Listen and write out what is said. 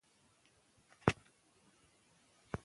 زده کوونکي له ډېر وخت راهیسې درسونه وایي.